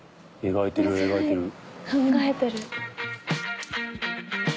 描いてる描いてる。